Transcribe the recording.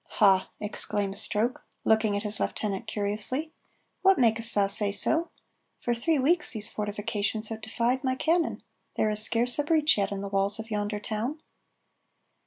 "Ha!" exclaims Stroke, looking at his lieutenant curiously, "what makest thou say so? For three weeks these fortifications have defied my cannon, there is scarce a breach yet in the walls of yonder town."